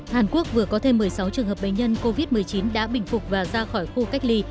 hàn quốc vừa có thêm một mươi sáu trường hợp bệnh nhân covid một mươi chín đã bình phục và ra khỏi khu cách ly